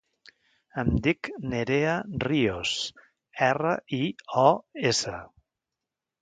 Em dic Nerea Rios: erra, i, o, essa.